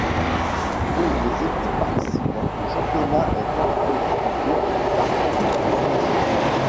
Pour les équipes participantes, le championnat est entrecoupé par la coupe de France.